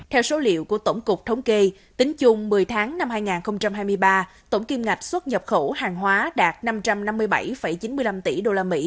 theo số liệu của tổng cục thống kê tính chung một mươi tháng năm hai nghìn hai mươi ba tổng kim ngạch xuất nhập khẩu hàng hóa đạt năm trăm năm mươi bảy chín mươi năm tỷ usd